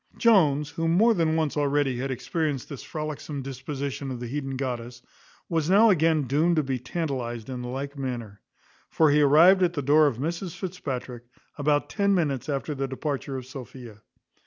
Jones, who more than once already had experienced this frolicsome disposition of the heathen goddess, was now again doomed to be tantalized in the like manner; for he arrived at the door of Mrs Fitzpatrick about ten minutes after the departure of Sophia.